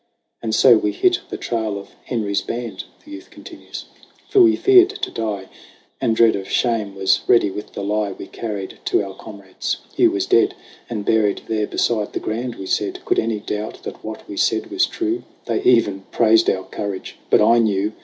"And so we hit the trail of Henry's band," The youth continues; "for we feared to die : And dread of shame was ready with the lie We carried to our comrades. Hugh was dead And buried there beside the Grand, we said. Could any doubt that what we said was true ? They even praised our courage ! But I knew